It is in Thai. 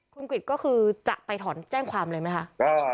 คุณกริจก็คือจะไปถอนแจ้งความเลยไหมคะ